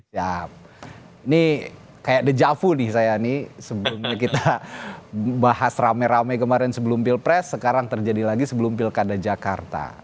ya ini kayak dejavu nih saya nih sebelumnya kita bahas rame rame kemarin sebelum pilpres sekarang terjadi lagi sebelum pilkada jakarta